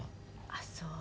「あっそう」